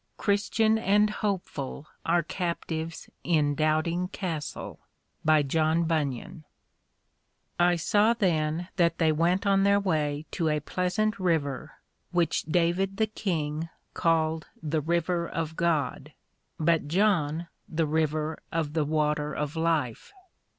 CHRISTIAN AND HOPEFUL ARE CAPTIVES IN DOUBTING CASTLE By John Bunyan I saw then that they went on their way to a pleasant River, which David the King called the River of God, but John, the River of the Water of Life.